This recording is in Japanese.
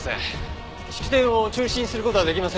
式典を中止にする事はできませんか？